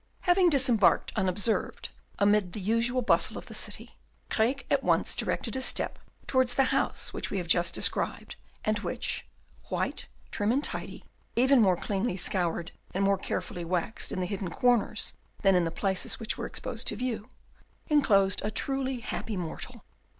Having disembarked unobserved amid the usual bustle of the city, Craeke at once directed his steps towards the house which we have just described, and which white, trim, and tidy, even more cleanly scoured and more carefully waxed in the hidden corners than in the places which were exposed to view enclosed a truly happy mortal.